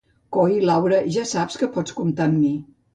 Coi, Laura, ja saps que pots comptar amb mi.